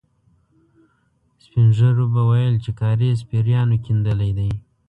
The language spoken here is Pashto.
سپين ږيرو به ويل چې کاریز پېريانو کېندلی دی.